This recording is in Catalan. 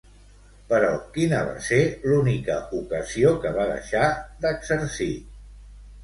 Però, quina va ser l'única ocasió que va deixar d'exercir?